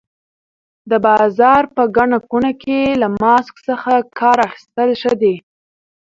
د بازار په ګڼه ګوڼه کې له ماسک څخه کار اخیستل ښه دي.